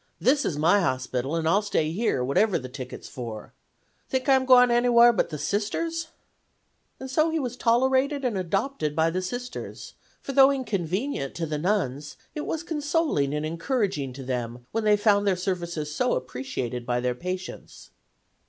This is my hospital, and I'll stay here, wherever the ticket's for. Think I'm gwine t'anywhar but the Sisters'?' "And so he was tolerated and adopted by the Sisters, for though inconvenient to the nuns it was consoling and encouraging to them when they found their services so appreciated by their patients.